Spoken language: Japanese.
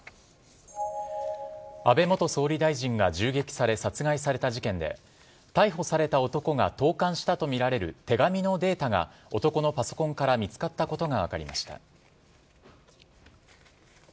安倍元総理大臣が銃撃され、殺害された事件で、逮捕された男が投かんしたと見られる手紙のデータが、男のパソコンから見つかったことが分かりました。